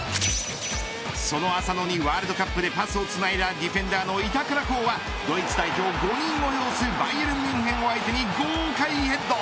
その浅野にワールドカップでパスをつないだディフェンダーの板倉滉はドイツ代表５人を擁すバイエルンミュンヘンを相手に豪快ヘッド。